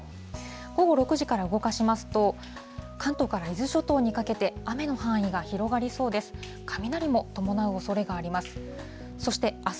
午後６時から動かしますと、関東から伊豆諸島にかけて、雨の範囲が広がりそうです。